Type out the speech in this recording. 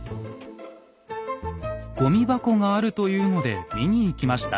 ごみ箱があるというので見に行きました。